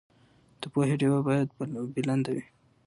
د پوهې ډېوه باید بلنده وساتو.